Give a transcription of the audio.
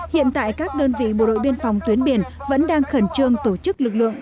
hiện tại các đơn vị bộ đội biên phòng tuyến biển vẫn đang khẩn trương tổ chức lực lượng